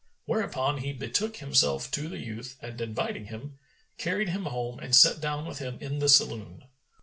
Whereupon he betook himself to the youth and inviting him, carried him home and sat down with him in the saloon.